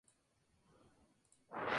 Su último matrimonio fue con Desiree Sumara.